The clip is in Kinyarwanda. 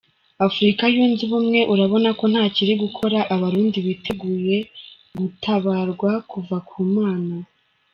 Afurika yunze ubumwe urabona ko ntacyo iri gukora…abarundi biteguye gutabarwa kuva ku mana.